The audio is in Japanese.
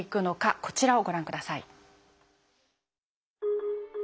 こちらをご覧ください。